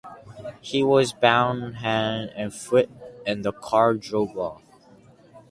He was bound hand and foot and the car drove off.